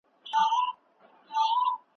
بدوسترګو وساته تل